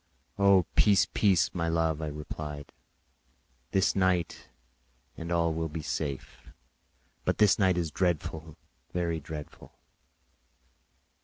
"Oh! Peace, peace, my love," replied I; "this night, and all will be safe; but this night is dreadful, very dreadful."